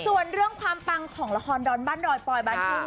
ส่วนเรื่องความปังของละครดอนบ้านดอยปลอยบ้านทุ่ง